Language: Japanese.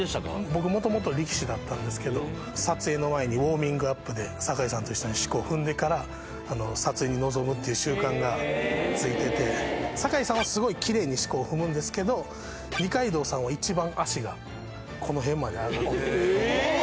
僕元々力士だったんですけど撮影の前にウォーミングアップでを踏んでから撮影に臨むっていう習慣がついてて堺さんはスゴいキレイに四股を踏むんですけど二階堂さんは一番足がこの辺まで上がってえーっ！？